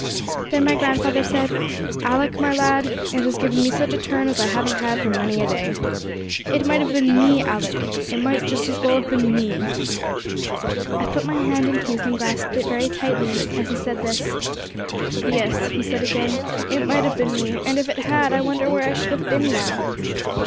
Then my grandfather said: 'Alick, my lad, it has given me such a turn as I haven't had for many a day. It might have been me, Alick; it might just as well have been me!' I put my hand in his, and grasped it very tightly, as he said this. 'Yes,' he said again, 'it might have been me; and if it had, I wonder where I should have been now?'